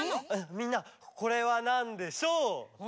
みんなこれはなんでしょう？